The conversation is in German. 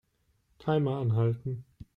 Timer anhalten.